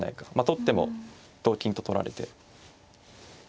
取っても同金と取られて。